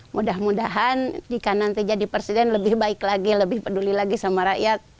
mudah mudahan jika nanti jadi presiden lebih baik lagi lebih peduli lagi sama rakyat